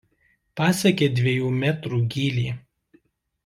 Pasiekia dviejų metrų gylį.